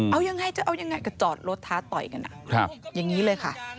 เอายังไงจะเอายังไงก็จอดรถท้าต่อยกันอย่างนี้เลยค่ะ